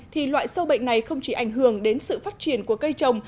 thì loại sâu bệnh này không chỉ ảnh hưởng đến sự phát triển của cây trồng